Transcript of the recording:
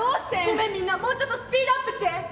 ごめんみんなもうちょっとスピードアップして。